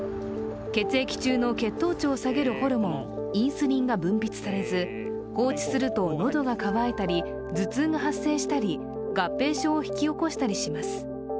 血液中の血糖値を下げるホルモンインスリンが分泌されず放置すると喉が渇いたり、頭痛が発生したり、合併症を引き起こしたりします。